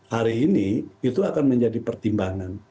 hari ini itu akan menjadi pertimbangan